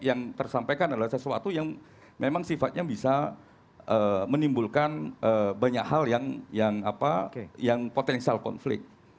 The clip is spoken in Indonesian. yang tersampaikan adalah sesuatu yang memang sifatnya bisa menimbulkan banyak hal yang potensial konflik